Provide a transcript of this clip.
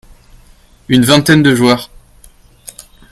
Une vingtaine de joueurs.